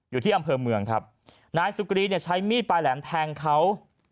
อยู่ที่อำเภอเมืองครับนายสุกรีเนี่ยใช้มีดปลายแหลมแทงเขา